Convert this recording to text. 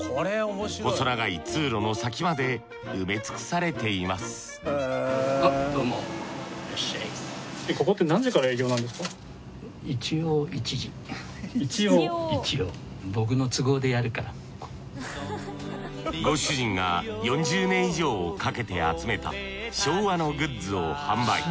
細長い通路の先まで埋め尽くされていますご主人が４０年以上かけて集めた昭和のグッズを販売。